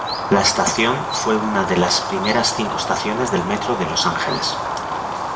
La estación fue una de las primeras cinco estaciones del Metro de Los Ángeles.